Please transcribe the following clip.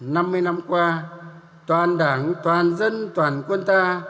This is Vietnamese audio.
năm mươi năm qua toàn đảng toàn dân toàn quân ta